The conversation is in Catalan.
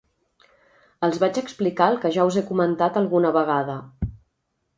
Els vaig explicar el que ja us he comentat alguna vegada